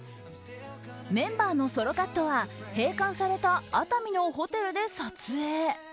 メンバーのソロカットは閉館された熱海のホテルで撮影。